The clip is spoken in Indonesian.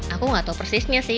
aku nggak tahu persisnya sih